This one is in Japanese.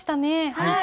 はい。